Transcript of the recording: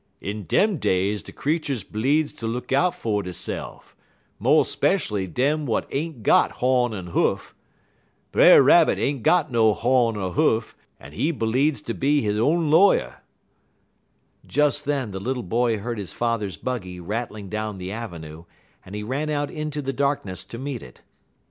"In dem days de creeturs bleedz ter look out fer deyse'f, mo' speshually dem w'at ain't got hawn en huff. Brer Rabbit ain't got no hawn en huff, en he bleedz ter be he own lawyer." Just then the little boy heard his father's buggy rattling down the avenue, and he ran out into the darkness to meet it.